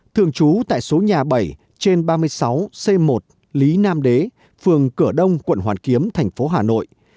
thường trú tại số nhà bảy trên ba mươi sáu c một lý nam đế phường cửa đông quận hoàn kiếm thành phố hà nội